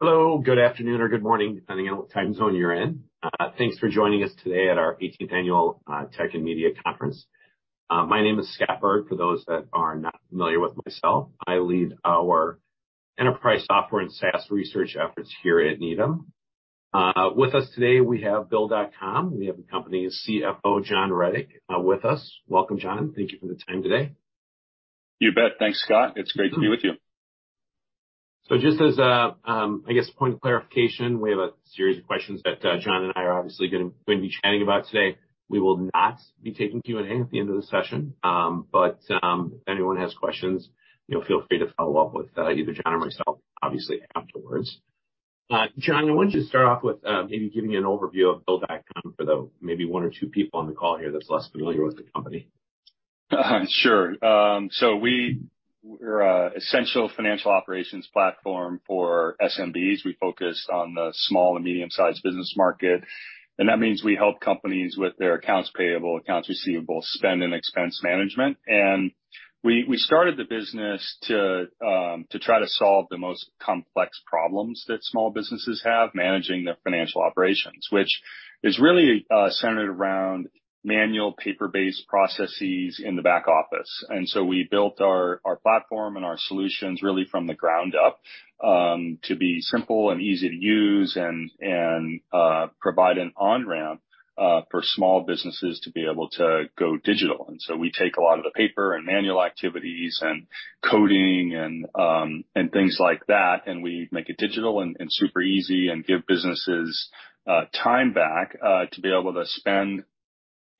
Hello, good afternoon or good morning, depending on what time zone you're in. Thanks for joining us today at our 18th Annual Tech and Media Conference. My name is Scott Berg, for those that are not familiar with myself. I lead our enterprise software and SaaS research efforts here at Needham. With us today we have Bill.com. We have the company's CFO, John Rettig, with us. Welcome, John. Thank you for the time today. You bet. Thanks, Scott. It's great to be with you. Just as a, I guess point of clarification, we have a series of questions that John and I are obviously gonna be chatting about today. We will not be taking Q&A at the end of the session. If anyone has questions, you know, feel free to follow up with either John or myself, obviously afterwards. John, I want you to start off with maybe giving you an overview of Bill.com for the maybe one or two people on the call here that's less familiar with the company. Sure. We're a essential financial operations platform for SMBs. We focus on the small and medium-sized business market, and that means we help companies with their accounts payable, accounts receivable, spend and expense management. We started the business to try to solve the most complex problems that small businesses have, managing their financial operations, which is really centered around manual paper-based processes in the back office. We built our platform and our solutions really from the ground up to be simple and easy to use and provide an on-ramp for small businesses to be able to go digital. We take a lot of the paper and manual activities and coding and things like that, and we make it digital and super easy and give businesses time back to be able to spend,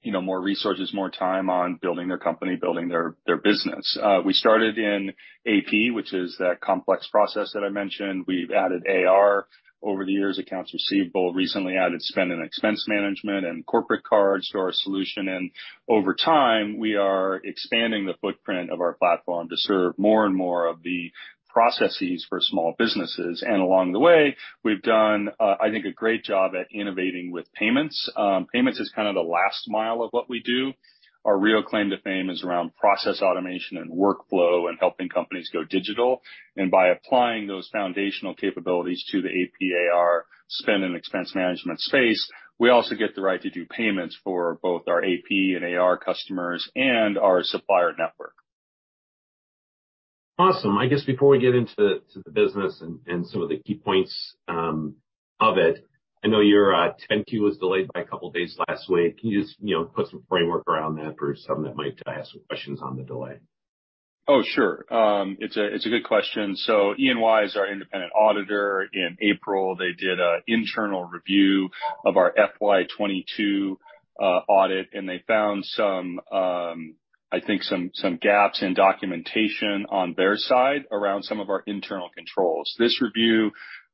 you know, more resources, more time on building their company, building their business. We started in AP, which is that complex process that I mentioned. We've added AR over the years, accounts receivable, recently added spend and expense management and corporate cards to our solution. Over time, we are expanding the footprint of our platform to serve more and more of the processes for small businesses. Along the way, we've done, I think a great job at innovating with payments. Payments is kind of the last mile of what we do. Our real claim to fame is around process automation and workflow and helping companies go digital. By applying those foundational capabilities to the AP, AR spend and expense management space, we also get the right to do payments for both our AP and AR customers and our supplier network. Awesome. I guess before we get into the business and some of the key points of it, I know your 10-Q was delayed by a couple days last week. Can you just, you know, put some framework around that for some that might ask some questions on the delay? Sure. It's a good question. EY is our independent auditor. In April, they did an internal review of our FY 2022 audit, and they found some, I think some gaps in documentation on their side around some of our internal controls. This review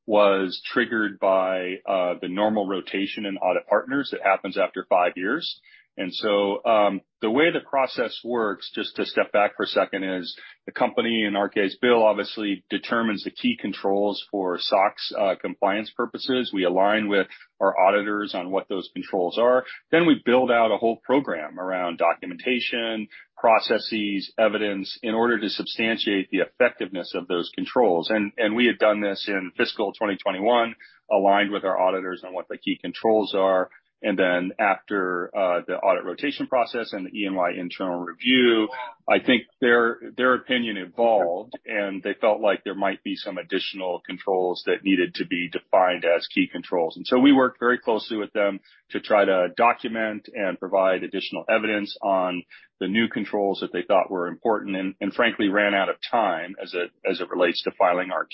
was triggered by the normal rotation in audit partners that happens after five years. The way the process works, just to step back for a second, is the company, in our case, BILL, obviously determines the key controls for SOX compliance purposes. We align with our auditors on what those controls are. We build out a whole program around documentation, processes, evidence in order to substantiate the effectiveness of those controls. We had done this in fiscal 2021, aligned with our auditors on what the key controls are. After the audit rotation process and the EY internal review, I think their opinion evolved, and they felt like there might be some additional controls that needed to be defined as key controls. We worked very closely with them to try to document and provide additional evidence on the new controls that they thought were important, and frankly, ran out of time as it relates to filing our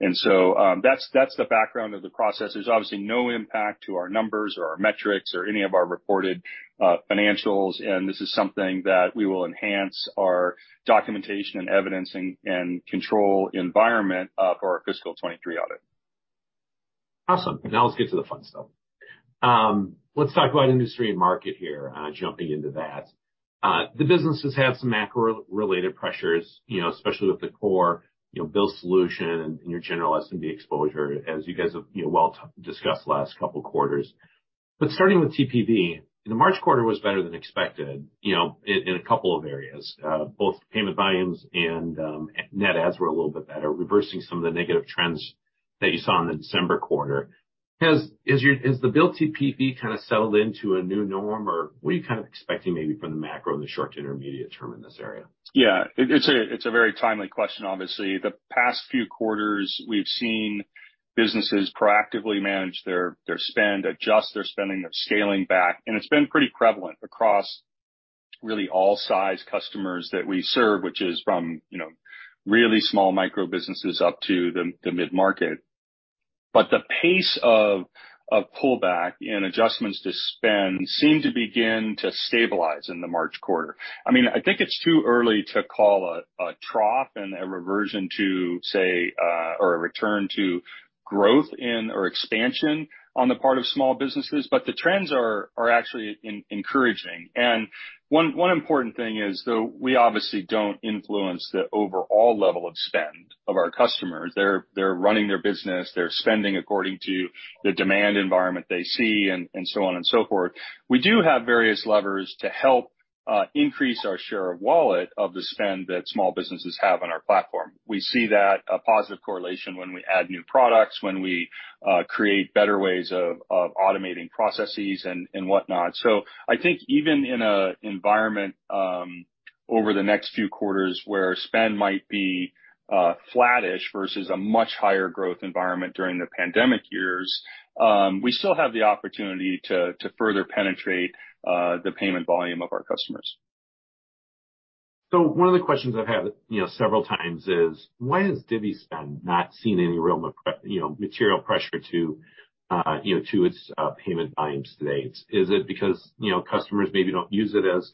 Q. That's the background of the process. There's obviously no impact to our numbers or our metrics or any of our reported financials. This is something that we will enhance our documentation and evidence, and control environment of our fiscal 23 audit. Awesome. Now let's get to the fun stuff. Let's talk about industry and market here, jumping into that. The businesses had some macro related pressures, you know, especially with the core, you know, Bill solution and your general SMB exposure, as you guys have, you know, well discussed the last couple quarters. Starting with TPV, the March quarter was better than expected, you know, in a couple of areas. Both payment volumes and net adds were a little bit better, reversing some of the negative trends that you saw in the December quarter. Has the Bill TPV kind of settled into a new norm? Or what are you kind of expecting maybe from the macro in the short to intermediate term in this area? Yeah. It's a very timely question. Obviously, the past few quarters, we've seen businesses proactively manage their spend, adjust their spending. They're scaling back, and it's been pretty prevalent across really all size customers that we serve, which is from, you know, really small micro businesses up to the mid-market. The pace of pullback and adjustments to spend seem to begin to stabilize in the March quarter. I mean, I think it's too early to call a trough and a reversion to say, or a return to growth in or expansion on the part of small businesses. The trends are actually encouraging. One important thing is, though, we obviously don't influence the overall level of spend of our customers. They're running their business. They're spending according to the demand environment they see and so on and so forth. We do have various levers to increase our share of wallet of the spend that small businesses have on our platform. We see that a positive correlation when we add new products, when we create better ways of automating processes and whatnot. I think even in a environment over the next few quarters where spend might be flattish versus a much higher growth environment during the pandemic years, we still have the opportunity to further penetrate the payment volume of our customers. One of the questions I've had, you know, several times is: Why has Divvy spend not seen any real you know, material pressure to, you know, to its payment volumes to date? Is it because, you know, customers maybe don't use it as,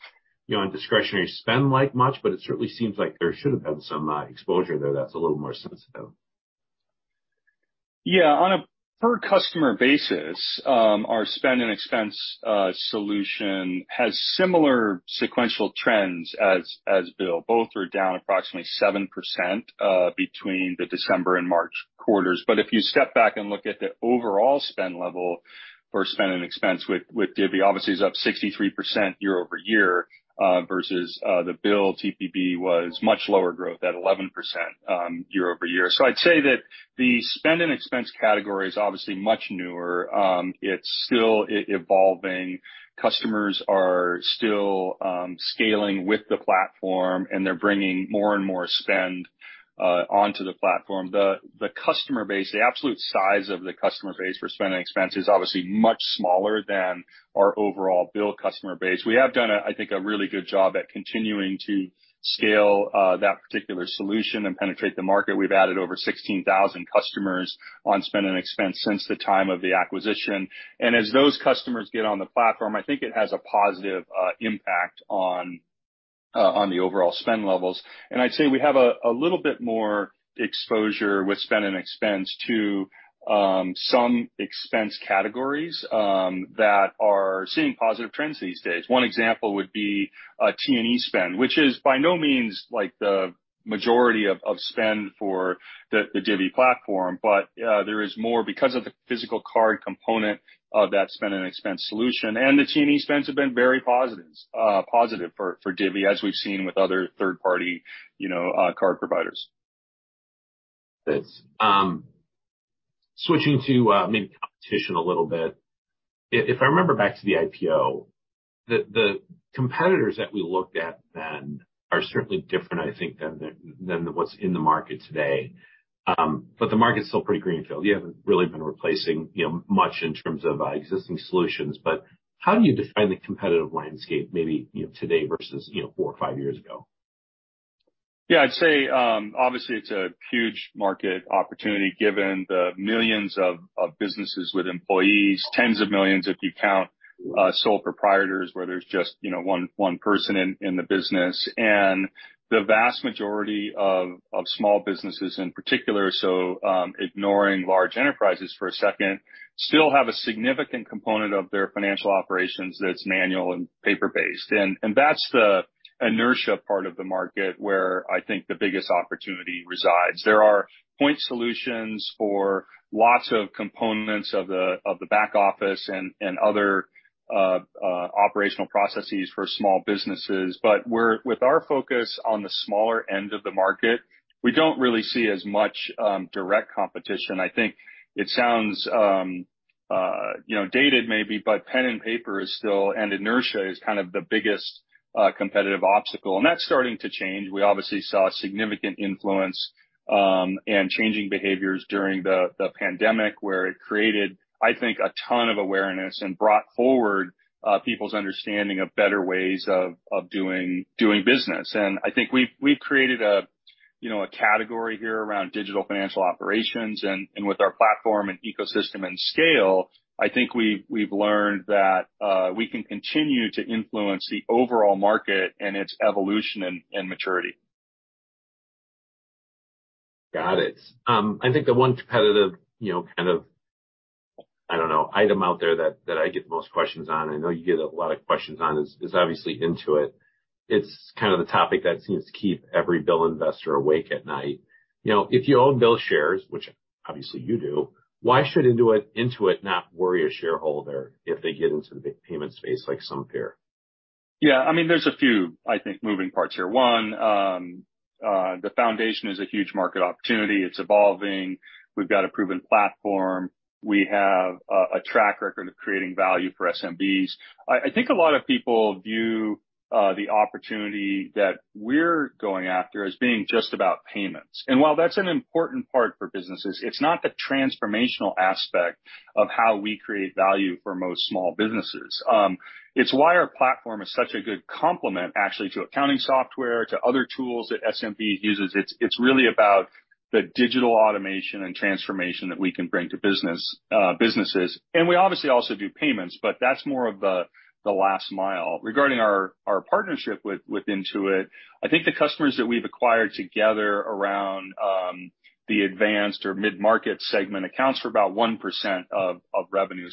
you know, on discretionary spend quite much, but it certainly seems like there should have been some exposure there that's a little more sensitive. Yeah. On a per customer basis, our spend and expense solution has similar sequential trends as BILL. Both are down approximately 7% between the December and March quarters. If you step back and look at the overall spend level for spend and expense with Divvy, obviously is up 63% year over year, versus the BILL TPV was much lower growth at 11% year over year. I'd say that the spend and expense category is obviously much newer. It's still evolving. Customers are still scaling with the platform, and they're bringing more and more spend onto the platform. The customer base, the absolute size of the customer base for spend and expense is obviously much smaller than our overall BILL customer base. We have done a, I think, a really good job at continuing to scale that particular solution and penetrate the market. We've added over 16,000 customers on Spend & Expense since the time of the acquisition. As those customers get on the platform, I think it has a positive impact on the overall spend levels. I'd say we have a little bit more exposure with Spend & Expense to some expense categories that are seeing positive trends these days. One example would be T&E spend, which is by no means like the majority of spend for the Divvy platform, but there is more because of the physical card component of that Spend & Expense solution. The T&E spends have been very positive for Divvy, as we've seen with other third-party, you know, card providers. Yes. Switching to maybe competition a little bit. If I remember back to the IPO, the competitors that we looked at then are certainly different, I think, than the what's in the market today. The market's still pretty greenfield. You haven't really been replacing, you know, much in terms of existing solutions. How do you define the competitive landscape maybe, you know, today versus, you know, four or five years ago? Yeah. I'd say, obviously it's a huge market opportunity given the millions of businesses with employees, tens of millions if you count sole proprietors where there's just, you know, one person in the business. The vast majority of small businesses in particular, so, ignoring large enterprises for a second, still have a significant component of their financial operations that's manual and paper-based. That's the inertia part of the market where I think the biggest opportunity resides. There are point solutions for lots of components of the back office and other operational processes for small businesses. With our focus on the smaller end of the market, we don't really see as much direct competition. I think it sounds, you know, dated maybe, but pen and paper is still, and inertia is kind of the biggest competitive obstacle, and that's starting to change. We obviously saw significant influence, and changing behaviors during the pandemic where it created, I think, a ton of awareness and brought forward people's understanding of better ways of doing business. I think we've created a, you know, a category here around digital financial operations. With our platform and ecosystem and scale, I think we've learned that we can continue to influence the overall market and its evolution and maturity. Got it. I think the one competitive, you know, kind of, I don't know, item out there that I get the most questions on, I know you get a lot of questions on, is obviously Intuit. It's kind of the topic that seems to keep every BILL investor awake at night. You know, if you own BILL shares, which obviously you do, why should Intuit not worry a shareholder if they get into the big payment space like some fear? Yeah. I mean, there's a few, I think, moving parts here. One, the foundation is a huge market opportunity. It's evolving. We've got a proven platform. We have a track record of creating value for SMBs. I think a lot of people view the opportunity that we're going after as being just about payments. While that's an important part for businesses, it's not the transformational aspect of how we create value for most small businesses. It's why our platform is such a good complement actually to accounting software, to other tools that SMB uses. It's really about the digital automation and transformation that we can bring to businesses. We obviously also do payments, but that's more of the last mile. Regarding our partnership with Intuit, I think the customers that we've acquired together around the advanced or mid-market segment accounts for about 1% of revenue.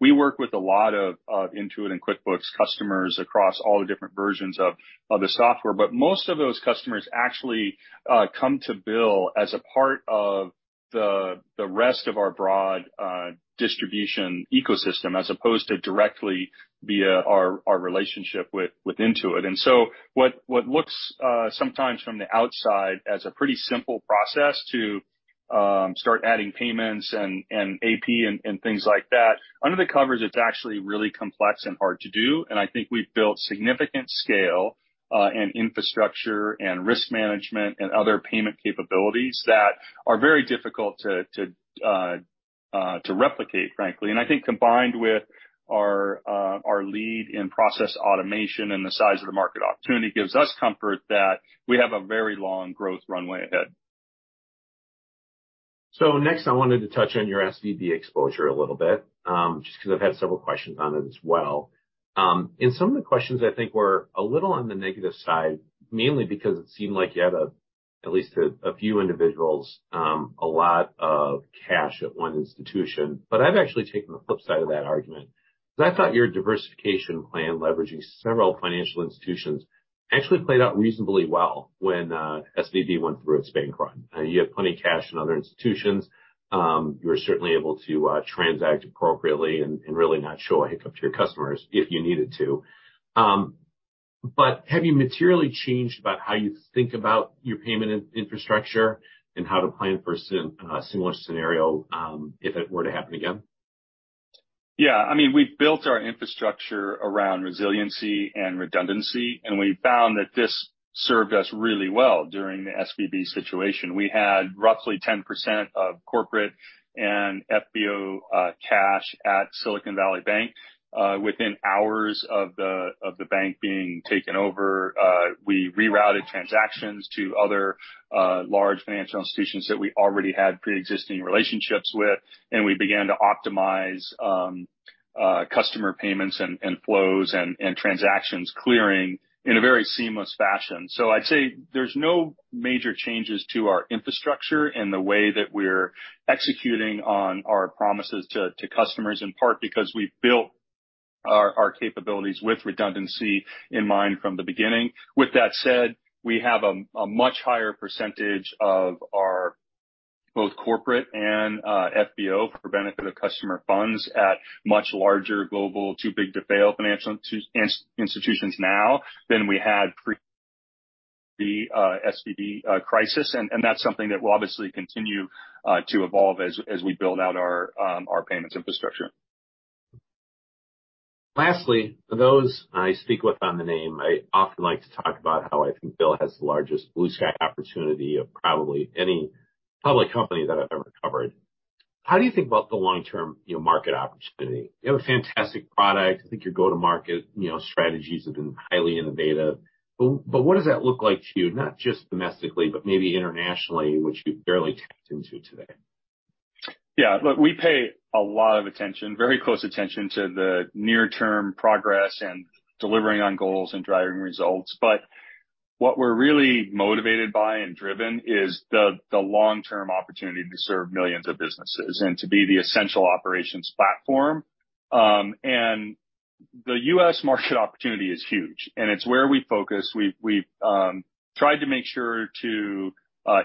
We work with a lot of Intuit and QuickBooks customers across all the different versions of the software, but most of those customers actually come to BILL as a part of the rest of our broad distribution ecosystem as opposed to directly via our relationship with Intuit. What looks sometimes from the outside as a pretty simple process to start adding payments and AP and things like that, under the covers it's actually really complex and hard to do. I think we've built significant scale, and infrastructure and risk management and other payment capabilities that are very difficult to replicate, frankly. I think combined with our lead in process automation and the size of the market opportunity gives us comfort that we have a very long growth runway ahead. Next, I wanted to touch on your SVB exposure a little bit, just 'cause I've had several questions on it as well. Some of the questions I think were a little on the negative side, mainly because it seemed like you had at least a few individuals, a lot of cash at one institution. I've actually taken the flip side of that argument. 'Cause I thought your diversification plan, leveraging several financial institutions actually played out reasonably well when SVB went through its bank run. You had plenty of cash in other institutions. You were certainly able to transact appropriately and really not show a hiccup to your customers if you needed to. Have you materially changed about how you think about your payment infrastructure and how to plan for a similar scenario if it were to happen again? Yeah. I mean, we've built our infrastructure around resiliency and redundancy. We found that this served us really well during the SVB situation. We had roughly 10% of corporate and FBO cash at Silicon Valley Bank. Within hours of the bank being taken over, we rerouted transactions to other large financial institutions that we already had preexisting relationships with, and we began to optimize customer payments and flows and transactions clearing in a very seamless fashion. I'd say there's no major changes to our infrastructure and the way that we're executing on our promises to customers, in part because we've built our capabilities with redundancy in mind from the beginning. With that said, we have a much higher percentage of our both corporate and FBO for benefit of customer funds at much larger global too big to fail financial institutions now than we had pre the SVB crisis. That's something that will obviously continue to evolve as we build out our payments infrastructure. Lastly, for those I speak with on the name, I often like to talk about how I think BILL has the largest blue sky opportunity of probably any public company that I've ever covered. How do you think about the long-term, you know, market opportunity? You have a fantastic product. I think your go-to-market, you know, strategies have been highly innovative. What does that look like to you, not just domestically, but maybe internationally, which you've barely tapped into today? Yeah. Look, we pay a lot of attention, very close attention to the near-term progress and delivering on goals and driving results. What we're really motivated by and driven is the long-term opportunity to serve millions of businesses and to be the essential operations platform. The U.S. market opportunity is huge, and it's where we focus. We've tried to make sure to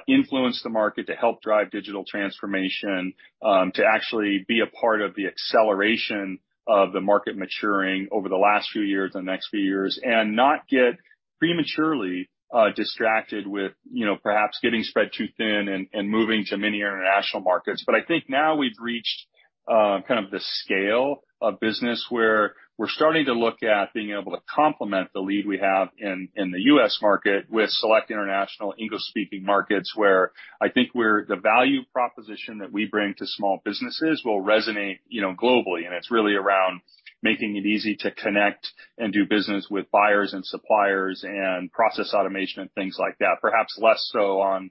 influence the market to help drive digital transformation, to actually be a part of the acceleration of the market maturing over the last few years and the next few years, and not get prematurely distracted with, you know, perhaps getting spread too thin and moving to many international markets. I think now we've reached, kind of the scale of business, where we're starting to look at being able to complement the lead we have in the U.S. market with select international English-speaking markets, where I think where the value proposition that we bring to small businesses will resonate, you know, globally. It's really around making it easy to connect and do business with buyers and suppliers and process automation and things like that, perhaps less so on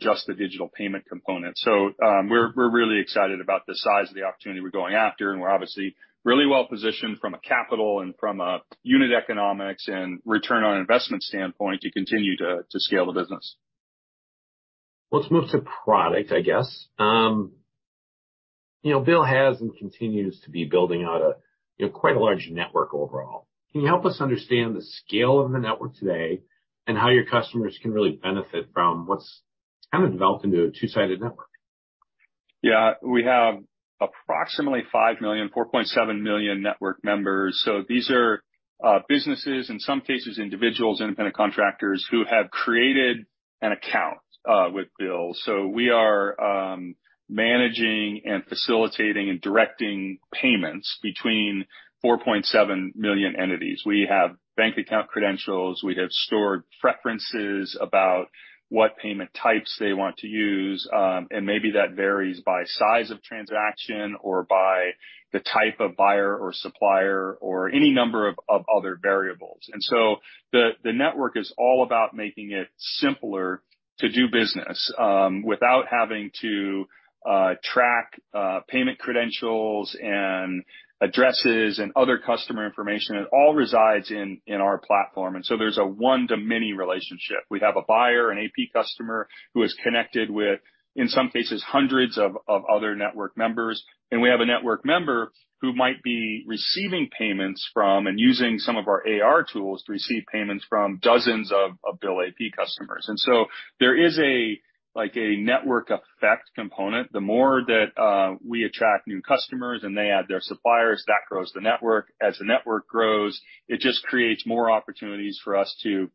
just the digital payment component. We're, we're really excited about the size of the opportunity we're going after, and we're obviously really well-positioned from a capital and from a unit economics and ROI standpoint to continue to scale the business. Let's move to product, I guess. you know, BILL has and continues to be building out a, you know, quite a large network overall. Can you help us understand the scale of the network today and how your customers can really benefit from what's kind of developed into a two-sided network? Yeah. We have approximately 5 million, 4.7 million network members. These are businesses, in some cases, individuals, independent contractors who have created an account with Bill. We are managing and facilitating and directing payments between 4.7 million entities. We have bank account credentials. We have stored preferences about what payment types they want to use. Maybe that varies by size of transaction or by the type of buyer or supplier or any number of other variables. The network is all about making it simpler to do business without having to track payment credentials and addresses and other customer information. It all resides in our platform, there's a one-to-many relationship. We have a buyer, an AP customer, who is connected with, in some cases, hundreds of other network members, and we have a network member who might be receiving payments from and using some of our AR tools to receive payments from dozens of BILL AP customers. There is a, like a network effect component. The more that we attract new customers and they add their suppliers, that grows the network. As the network grows, it just creates more opportunities for us to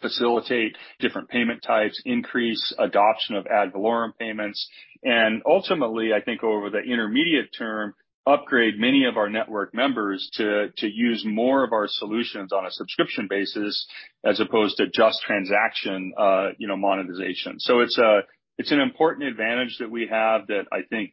facilitate different payment types, increase adoption of ad valorem payments, and ultimately, I think over the intermediate term, upgrade many of our network members to use more of our solutions on a subscription basis as opposed to just transaction, you know, monetization. It's an important advantage that we have that I think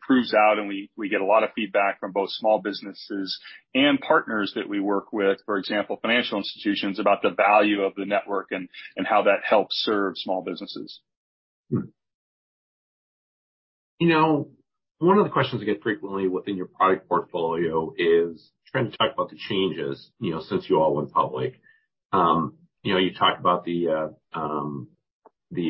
proves out, and we get a lot of feedback from both small businesses and partners that we work with, for example, financial institutions, about the value of the network and how that helps serve small businesses. You know, one of the questions I get frequently within your product portfolio is trying to talk about the changes, you know, since you all went public. You know, you talked about the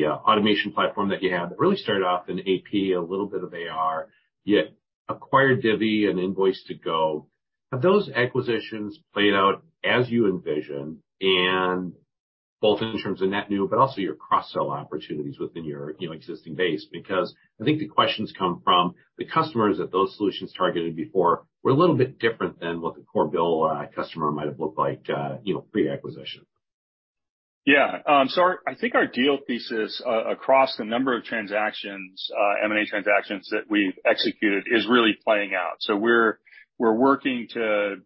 automation platform that you have that really started off in AP, a little bit of AR, yet acquired Divvy and Invoice2go. Have those acquisitions played out as you envisioned and both in terms of net new, but also your cross-sell opportunities within your, you know, existing base? I think the questions come from the customers that those solutions targeted before were a little bit different than what the core Bill customer might have looked like, you know, pre-acquisition. Yeah. I think our deal thesis across the number of transactions, M&A transactions that we've executed is really playing out. We're, we're working to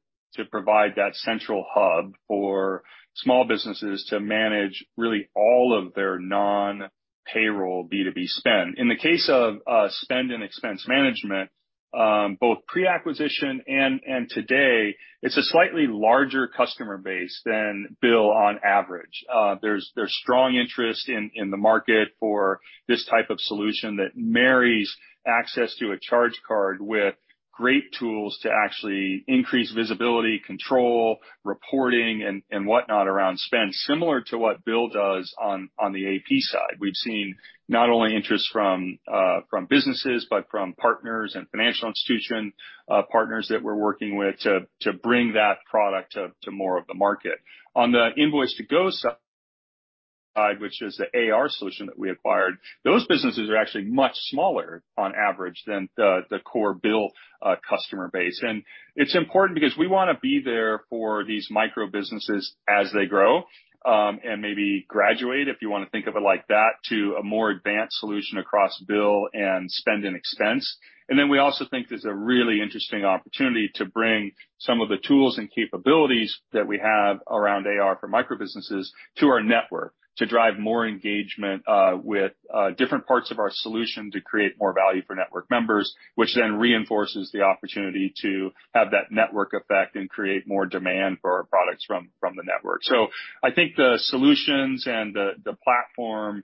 provide that central hub for small businesses to manage really all of their non-payroll B2B spend. In the case of spend and expense management, both pre-acquisition and today, it's a slightly larger customer base than BILL on average. There's strong interest in the market for this type of solution that marries access to a charge card with great tools to actually increase visibility, control, reporting, and whatnot around spend, similar to what BILL does on the AP side. We've seen not only interest from businesses, but from partners and financial institution partners that we're working with to bring that product to more of the market. On the Invoice2go side, which is the AR solution that we acquired, those businesses are actually much smaller on average than the core Bill customer base. It's important because we wanna be there for these micro-businesses as they grow, and maybe graduate, if you wanna think of it like that, to a more advanced solution across Bill and spend and expense. We also think there's a really interesting opportunity to bring some of the tools and capabilities that we have around AR for micro-businesses to our network to drive more engagement with different parts of our solution to create more value for network members, which then reinforces the opportunity to have that network effect and create more demand for our products from the network. I think the solutions and the platform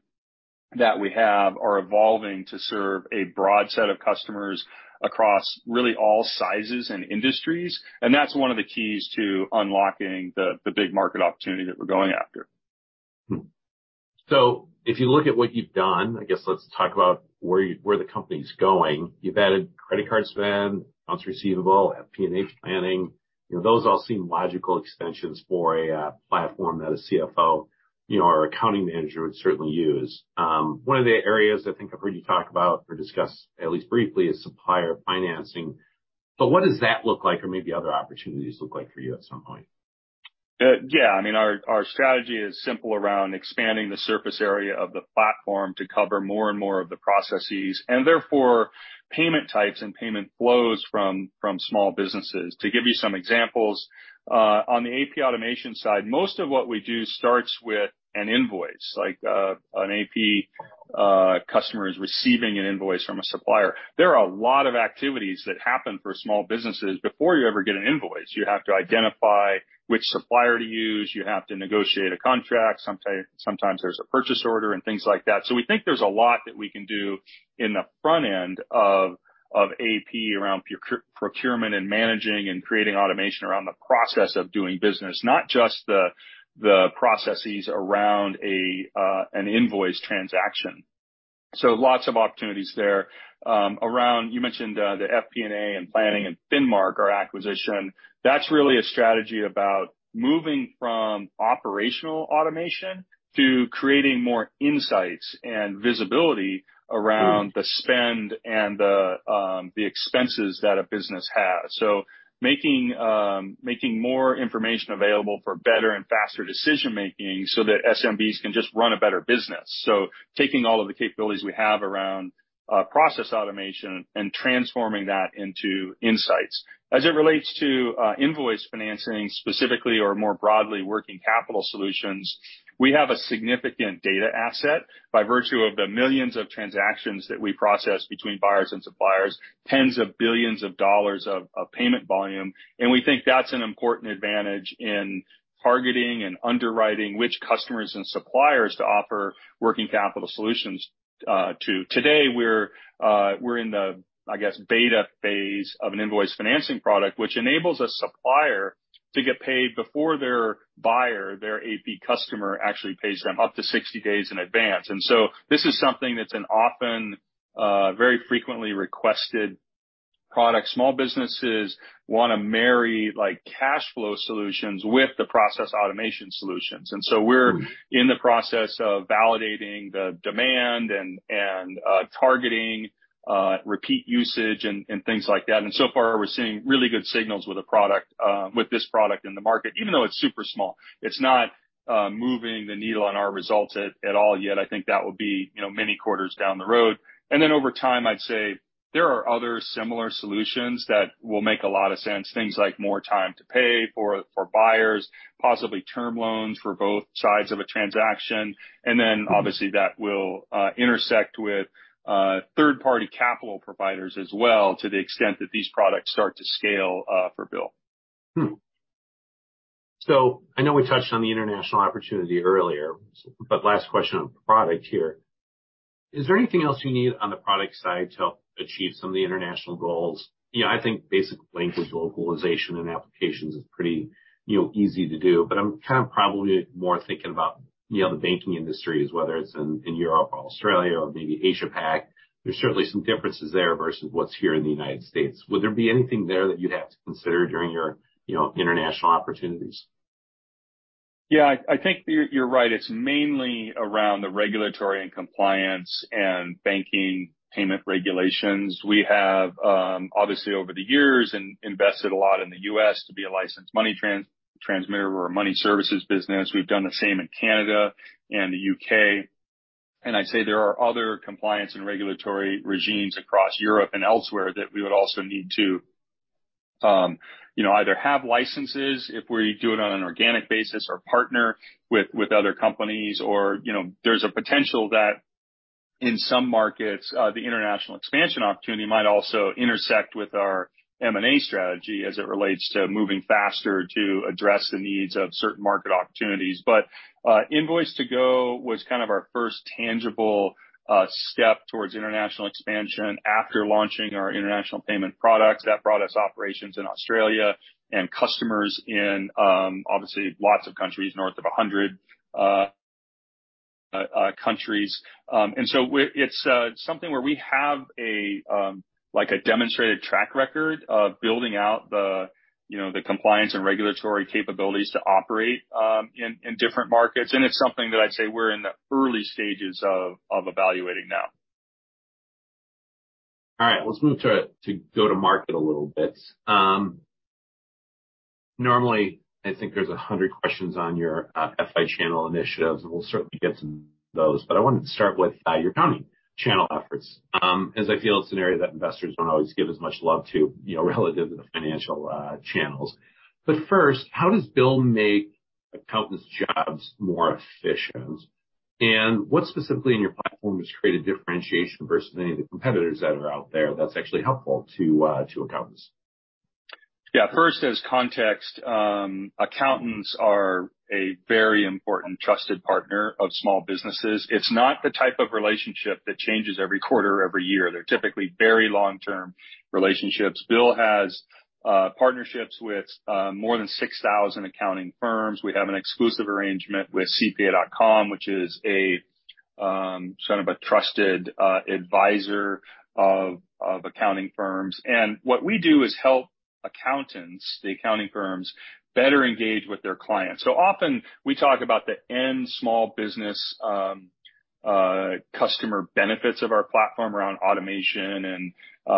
that we have are evolving to serve a broad set of customers across really all sizes and industries, and that's one of the keys to unlocking the big market opportunity that we're going after. If you look at what you've done, I guess let's talk about where the company's going. You've added credit card spend, accounts receivable, FP&A planning. You know, those all seem logical extensions for a platform that a CFO, you know, or accounting manager would certainly use. One of the areas I think I've heard you talk about or discuss at least briefly is supplier financing, but what does that look like or maybe other opportunities look like for you at some point? Yeah, I mean, our strategy is simple around expanding the surface area of the platform to cover more and more of the processes, and therefore payment types and payment flows from small businesses. To give you some examples, on the AP automation side, most of what we do starts with an invoice, like an AP customer is receiving an invoice from a supplier. There are a lot of activities that happen for small businesses before you ever get an invoice. You have to identify which supplier to use, you have to negotiate a contract, sometimes there's a purchase order and things like that. We think there's a lot that we can do in the front end of AP around procurement and managing and creating automation around the process of doing business, not just the processes around an invoice transaction. Lots of opportunities there. Around, you mentioned, the FP&A and planning and Finmark, our acquisition. That's really a strategy about moving from operational automation to creating more insights and visibility around the spend and the expenses that a business has. Making more information available for better and faster decision-making so that SMBs can just run a better business. Taking all of the capabilities we have around process automation and transforming that into insights. As it relates to invoice financing specifically or more broadly, working capital solutions, we have a significant data asset by virtue of the millions of transactions that we process between buyers and suppliers, tens of billions of dollars of payment volume, and we think that's an important advantage in targeting and underwriting which customers and suppliers to offer working capital solutions to. Today, we're in the, I guess, beta phase of an invoice financing product, which enables a supplier to get paid before their buyer, their AP customer, actually pays them up to 60 days in advance. This is something that's an often, very frequently requested product small businesses wanna marry like cash flow solutions with the process automation solutions. We're. Mm. In the process of validating the demand and targeting repeat usage and things like that. So far we're seeing really good signals with the product, with this product in the market, even though it's super small. It's not moving the needle on our results at all yet. I think that would be, you know, many quarters down the road. Over time, I'd say there are other similar solutions that will make a lot of sense, things like more time to pay for buyers, possibly term loans for both sides of a transaction. Obviously that will intersect with third-party capital providers as well to the extent that these products start to scale for BILL. I know we touched on the international opportunity earlier, last question on product here. Is there anything else you need on the product side to help achieve some of the international goals? You know, I think basic language localization and applications is pretty, you know, easy to do, but I'm kind of probably more thinking about, you know, the banking industry is whether it's in Europe or Australia or maybe Asia Pac. There's certainly some differences there versus what's here in the United States. Would there be anything there that you'd have to consider during your, you know, international opportunities? Yeah. I think you're right. It's mainly around the regulatory and compliance and banking payment regulations. We have, obviously, over the years invested a lot in the U.S. to be a licensed money transmitter. We're a money services business. We've done the same in Canada and the U.K. I'd say there are other compliance and regulatory regimes across Europe and elsewhere that we would also need to, you know, either have licenses if we do it on an organic basis or partner with other companies or, you know, there's a potential that in some markets, the international expansion opportunity might also intersect with our M&A strategy as it relates to moving faster to address the needs of certain market opportunities. Invoice2go was kind of our first tangible step towards international expansion after launching our international payment products. That brought us operations in Australia and customers in, obviously, lots of countries, north of 100 countries. We're it's something where we have a like a demonstrated track record of building out the, you know, the compliance and regulatory capabilities to operate in different markets. It's something that I'd say we're in the early stages of evaluating now. All right. Let's move to go-to-market a little bit. Normally, I think there's 100 questions on your FI channel initiatives, and we'll certainly get to those. I wanted to start with your accounting channel efforts, as I feel it's an area that investors don't always give as much love to, you know, relative to the financial channels. First, how does BILL make accountants' jobs more efficient? What specifically in your platform has created differentiation versus any of the competitors that are out there that's actually helpful to accountants? Yeah. First, as context, accountants are a very important trusted partner of small businesses. It's not the type of relationship that changes every quarter or every year. They're typically very long-term relationships. BILL has partnerships with more than 6,000 accounting firms. We have an exclusive arrangement with CPA.com, which is a sort of a trusted advisor of accounting firms. What we do is help accountants, the accounting firms, better engage with their clients. Often we talk about the end small business customer benefits of our platform around automation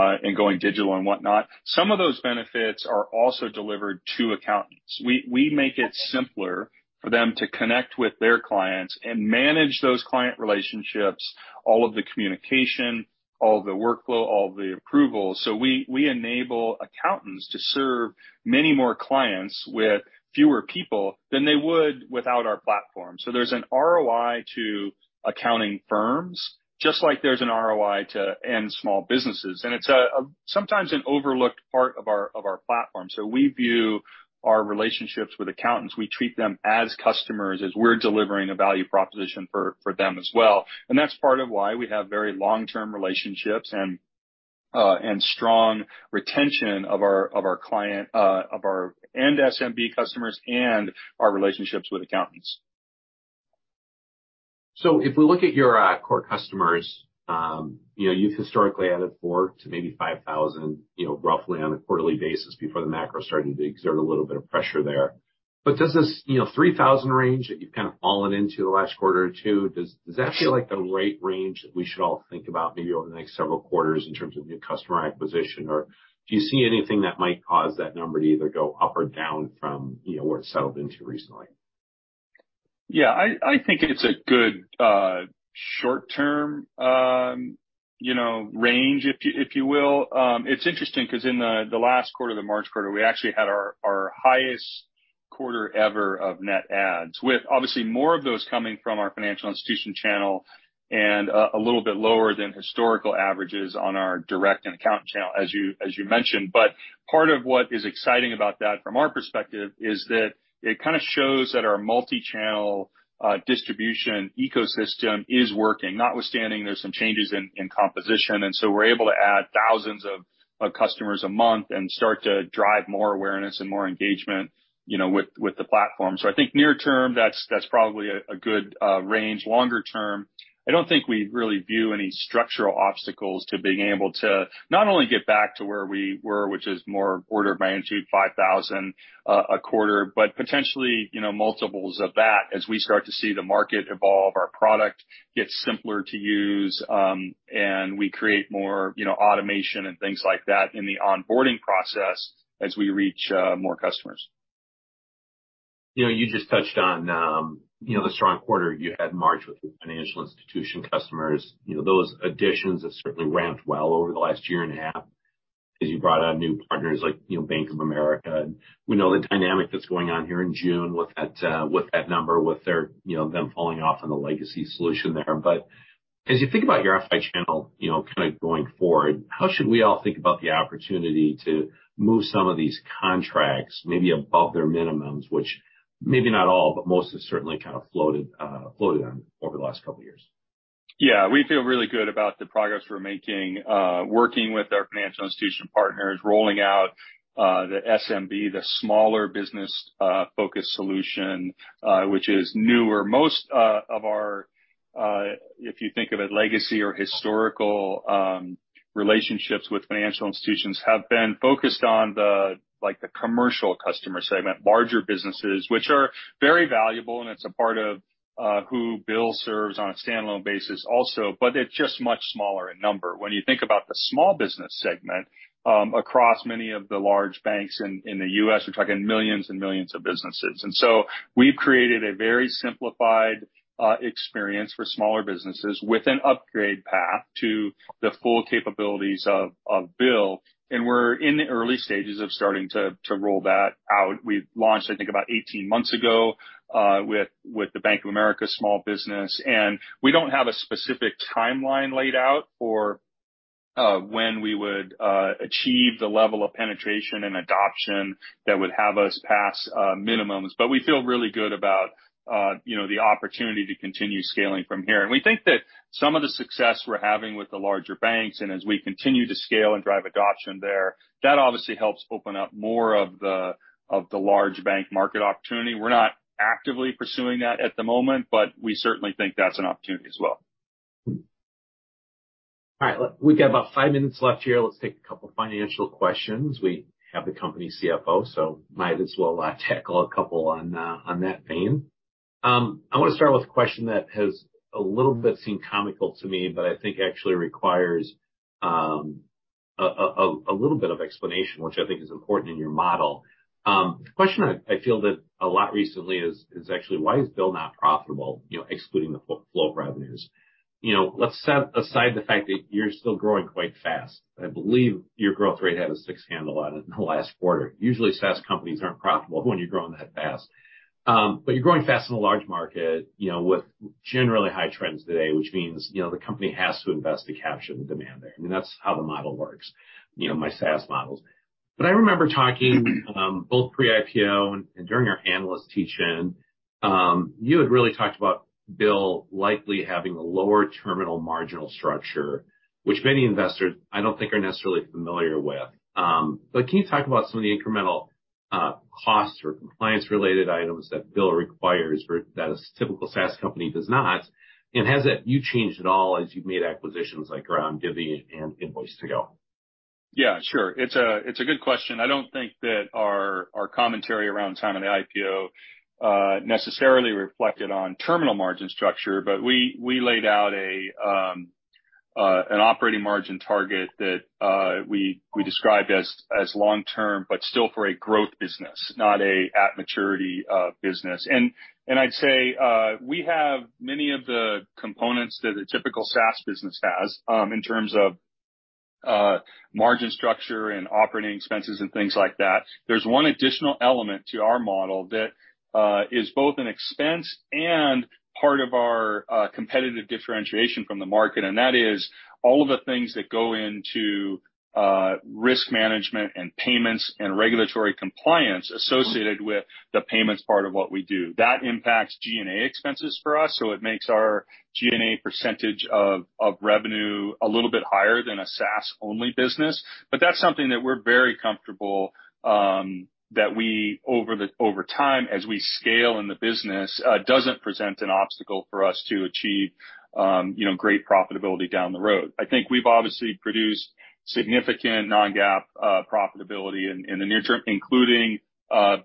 and going digital and whatnot. Some of those benefits are also delivered to accountants. We make it simpler for them to connect with their clients and manage those client relationships, all of the communication, all the workflow, all the approvals. We enable accountants to serve many more clients with fewer people than they would without our platform. There's an ROI to accounting firms, just like there's an ROI to end small businesses. It's sometimes an overlooked part of our platform. We view our relationships with accountants, we treat them as customers as we're delivering a value proposition for them as well. That's part of why we have very long-term relationships and strong retention of our client, of our end SMB customers and our relationships with accountants. If we look at your core customers, you know, you've historically added 4,000 to maybe 5,000, you know, roughly on a quarterly basis before the macro started to exert a little bit of pressure there. Does this, you know, 3,000 range that you've kind of fallen into the last quarter or two, does that feel like the right range that we should all think about maybe over the next several quarters in terms of new customer acquisition? Do you see anything that might cause that number to either go up or down from, you know, where it settled into recently? Yeah. I think it's a good short term, you know, range if you will. It's interesting 'cause in the last quarter, the March quarter, we actually had our highest quarter ever of net adds, with obviously more of those coming from our financial institution channel and a little bit lower than historical averages on our direct and account channel, as you mentioned. Part of what is exciting about that from our perspective is that it kind of shows that our multi-channel distribution ecosystem is working, notwithstanding there's some changes in composition. So we're able to add thousands of customers a month and start to drive more awareness and more engagement, you know, with the platform. I think near term, that's probably a good range. Longer term, I don't think we really view any structural obstacles to being able to not only get back to where we were, which is more order of magnitude $5,000 a quarter, but potentially, you know, multiples of that as we start to see the market evolve, our product gets simpler to use, and we create more, you know, automation and things like that in the onboarding process as we reach more customers. You know, you just touched on, you know, the strong quarter you had in March with your financial institution customers. You know, those additions have certainly ramped well over the last year and a half as you brought on new partners like, you know, Bank of America. We know the dynamic that's going on here in June with that, with that number, with their, you know, them falling off on the legacy solution there. As you think about your FI channel, you know, kind of going forward, how should we all think about the opportunity to move some of these contracts maybe above their minimums, which maybe not all, but most have certainly kind of floated on over the last couple years? We feel really good about the progress we're making, working with our financial institution partners, rolling out the SMB, the smaller business, focus solution, which is newer. Most of our, if you think of it, legacy or historical, relationships with financial institutions have been focused on the, like, the commercial customer segment, larger businesses, which are very valuable, and it's a part of who Bill serves on a standalone basis also, but it's just much smaller in number. When you think about the small business segment, across many of the large banks in the U.S., we're talking millions and millions of businesses. We've created a very simplified experience for smaller businesses with an upgrade path to the full capabilities of Bill. We're in the early stages of starting to roll that out. We launched, I think, about 18 months ago, with the Bank of America small business. We don't have a specific timeline laid out for when we would achieve the level of penetration and adoption that would have us pass minimums, but we feel really good about, you know, the opportunity to continue scaling from here. We think that some of the success we're having with the larger banks, and as we continue to scale and drive adoption there, that obviously helps open up more of the, of the large bank market opportunity. We're not actively pursuing that at the moment, but we certainly think that's an opportunity as well. All right. We've got about five minutes left here. Let's take a couple financial questions. We have the company CFO, might as well tackle a couple on that vein. I wanna start with a question that has a little bit seemed comical to me, but I think actually requires a little bit of explanation, which I think is important in your model. The question I feel that a lot recently is actually why is BILL not profitable, you know, excluding the float revenues? You know, let's set aside the fact that you're still growing quite fast. I believe your growth rate had a six handle on it in the last quarter. Usually, SaaS companies aren't profitable when you're growing that fast. You're growing fast in a large market, you know, with generally high trends today, which means, you know, the company has to invest to capture the demand there. I mean, that's how the model works, you know, my SaaS models. I remember talking, both pre-IPO and during our analyst teach-in, you had really talked about BILL likely having a lower terminal marginal structure, which many investors I don't think are necessarily familiar with. Can you talk about some of the incremental costs or compliance related items that BILL requires that a typical SaaS company does not? Has that you changed at all as you've made acquisitions like Divvy and Invoice2go? Yeah, sure. It's a good question. I don't think that our commentary around the time of the IPO necessarily reflected on terminal margin structure, but we laid out an operating margin target that we described as long term, but still for a growth business, not a at maturity business. I'd say, we have many of the components that a typical SaaS business has in terms of margin structure and operating expenses and things like that. There's one additional element to our model that is both an expense and part of our competitive differentiation from the market, and that is all of the things that go into risk management and payments and regulatory compliance associated with the payments part of what we do. That impacts G&A expenses for us. It makes our G&A percentage of revenue a little bit higher than a SaaS-only business. That's something that we're very comfortable, that we over time, as we scale in the business, doesn't present an obstacle for us to achieve, you know, great profitability down the road. I think we've obviously produced significant non-GAAP profitability in the near term, including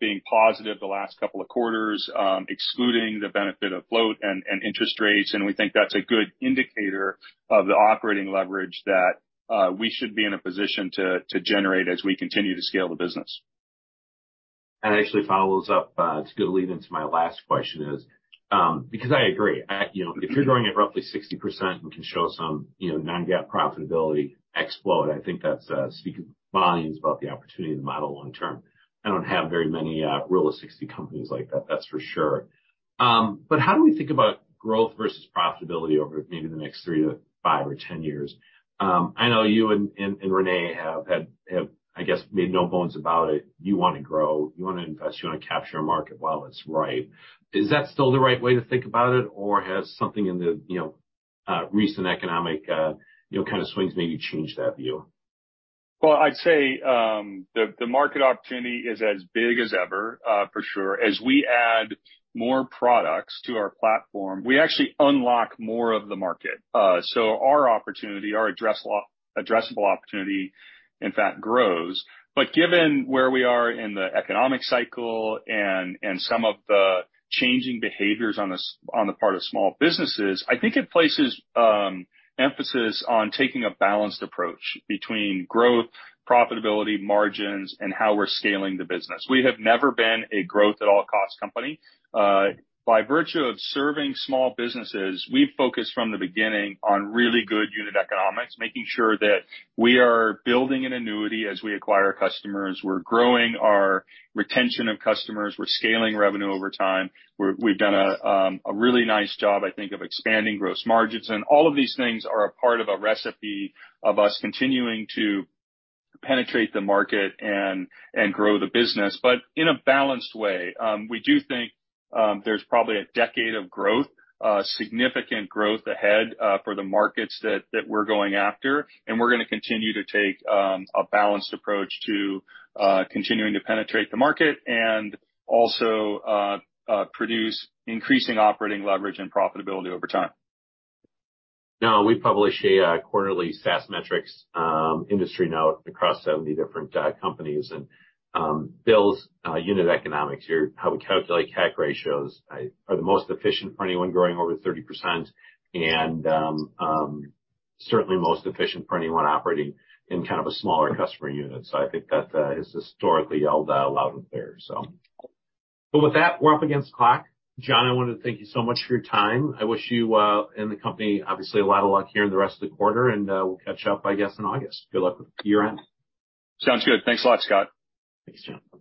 being positive the last couple of quarters, excluding the benefit of float and interest rates. We think that's a good indicator of the operating leverage that we should be in a position to generate as we continue to scale the business. That actually follows up to lead into my last question is, because I agree. You know, if you're growing at roughly 60% and can show some, you know, non-GAAP profitability ex float, I think that speaks volumes about the opportunity to model long term. I don't have very many real 60 companies like that's for sure. How do we think about growth versus profitability over maybe the next three to five or 10 years? I know you and René have had, I guess, made no bones about it. You wanna grow, you wanna invest, you wanna capture a market while it's ripe. Is that still the right way to think about it, or has something in the, you know, recent economic, you know, kind of swings maybe changed that view? I'd say the market opportunity is as big as ever for sure. As we add more products to our platform, we actually unlock more of the market. Our opportunity, our addressable opportunity, in fact, grows. Given where we are in the economic cycle and some of the changing behaviors on the part of small businesses, I think it places emphasis on taking a balanced approach between growth, profitability, margins, and how we're scaling the business. We have never been a growth at all costs company. By virtue of serving small businesses, we've focused from the beginning on really good unit economics, making sure that we are building an annuity as we acquire customers. We're growing our retention of customers. We're scaling revenue over time. We've done a really nice job, I think, of expanding gross margins. All of these things are a part of a recipe of us continuing to penetrate the market and grow the business, but in a balanced way. We do think there's probably a decade of growth, significant growth ahead for the markets that we're going after, and we're gonna continue to take a balanced approach to continuing to penetrate the market and also produce increasing operating leverage and profitability over time. Now, we publish a quarterly SaaS metrics industry note across 70 different companies. BILL's unit economics here, how we calculate CAC ratios, are the most efficient for anyone growing over 30% and certainly most efficient for anyone operating in kind of a smaller customer unit. I think that is historically held loud and clear. With that, we're up against the clock. John, I wanted to thank you so much for your time. I wish you and the company, obviously, a lot of luck here in the rest of the quarter, and we'll catch up, I guess, in August. Good luck with year-end. Sounds good. Thanks a lot, Scott. Thanks, John.